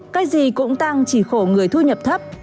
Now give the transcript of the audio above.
cái gì cũng tăng chỉ khổ người thu nhập thấp